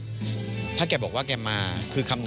พี่ว่าความมีสปีริตของพี่แหวนเป็นตัวอย่างที่พี่จะนึกถึงเขาเสมอ